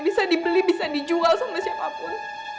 bisa dibeli bisa dijual sama siapapun